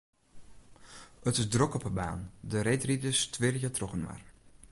It is drok op 'e baan, de reedriders twirje trochinoar.